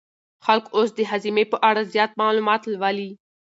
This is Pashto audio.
خلک اوس د هاضمې په اړه زیات معلومات لولي.